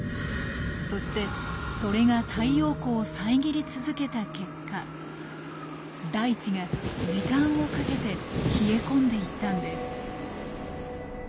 そしてそれが太陽光を遮り続けた結果大地が時間をかけて冷え込んでいったんです。